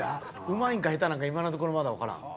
うまいんか下手なんか今のところまだわからん。